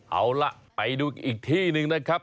เอาล่ะไปดูอีกที่หนึ่งนะครับ